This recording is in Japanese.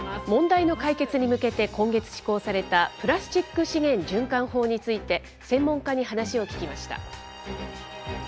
問題の解決に向けて、今月施行されたプラスチック資源循環法について、専門家に話を聞きました。